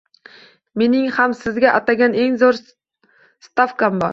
Mening ham sizga atagan eng zo`r stavkam bor